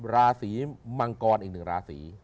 ราศรีมังกรอีก๑ราศรี